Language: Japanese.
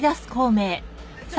ちょっ。